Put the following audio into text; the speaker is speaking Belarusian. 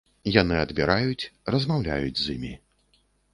Яны адбіраюць, размаўляюць з імі.